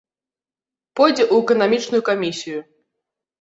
Пойдзе ў эканамічную камісію!